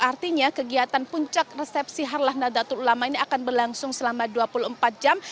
artinya kegiatan puncak resepsi harlah nadatul ulama ini akan berlangsung selama dua puluh empat jam